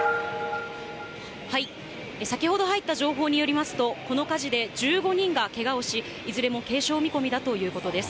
先ほど入った情報によりますと、この火事で、１５人がけがをし、いずれも軽傷見込みだということです。